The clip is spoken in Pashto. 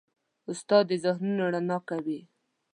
استاد د ذهنونو رڼا کوي.